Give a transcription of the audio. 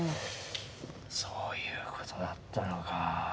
そういうことだったのか。